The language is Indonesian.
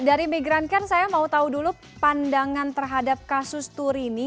dari migrankan saya mau tahu dulu pandangan terhadap kasus turini